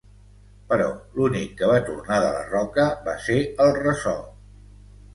Però l'únic que va tornar de la roca va ser el ressò.